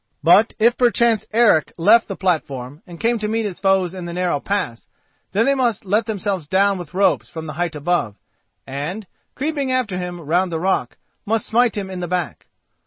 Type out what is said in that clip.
But if perchance Eric left the platform and came to meet his foes in the narrow pass, then they must let themselves down with ropes from the height above, and, creeping after him round the rock, must smite him in the back.